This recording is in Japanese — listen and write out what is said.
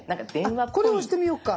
あっこれ押してみようか。